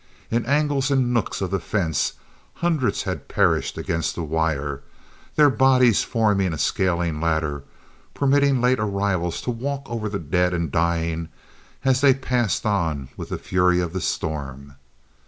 In angles and nooks of the fence, hundreds had perished against the wire, their bodies forming a scaling ladder, permitting late arrivals to walk over the dead and dying as they passed on with the fury of the storm.